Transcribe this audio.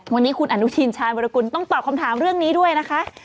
วันนี้คุณอนุทินชาญวรกุลต้องตอบคำถามเรื่องนี้ด้วยนะคะ